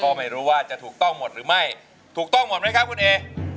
ก็ไม่รู้ว่าจะถูกต้องหมดหรือไม่ถูกต้องหมดไหมครับคุณเอ